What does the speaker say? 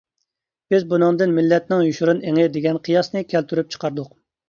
بىز بۇنىڭدىن مىللەتنىڭ يوشۇرۇن ئېڭى دېگەن قىياسنى كەلتۈرۈپ چىقاردۇق.